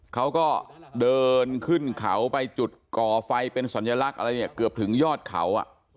เขาก็เดินขึ้นเขาไปจุดก่อไฟเป็นสัญลักษณ์อะไรเนี่ยเกือบถึงยอดเขา